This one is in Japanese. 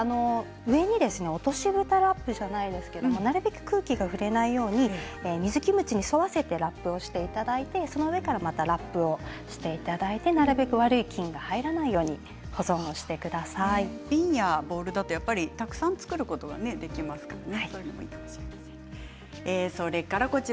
ボウルで造る場合は上にに落としぶたラップじゃないですけど、なるべく空気が触れないように水キムチにラップを沿わせていただいてその上からまた落としぶたラップをしていただいてなるべく悪い菌が入ら瓶やボウルだとたくさん造ることができますからね。